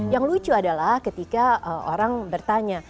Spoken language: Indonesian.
yang lucu adalah ketika orang bertanya